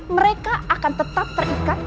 mereka akan tetap terikat